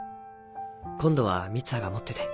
今度は三葉が持ってて。